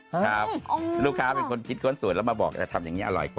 ครับลูกค้าเป็นคนคิดค้นสวยแล้วมาบอกจะทำอย่างนี้อร่อยกว่า